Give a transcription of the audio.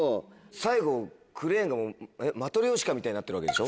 最後クレーンがもうマトリョーシカみたいになってるわけでしょ？